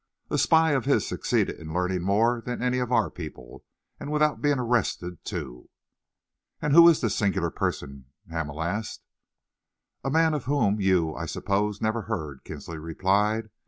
A spy of his succeeded in learning more than any of our people, and without being arrested, too." "And who is this singular person?" Hamel asked. "A man of whom you, I suppose, never heard," Kinsley replied.